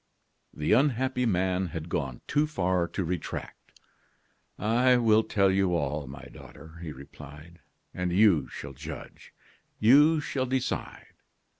The unhappy man had gone too far to retract. "I will tell you all, my daughter," he replied, "and you shall judge. You shall decide.